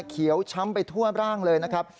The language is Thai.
เขียวช้ำไปทั่วร่างเลยนะครับ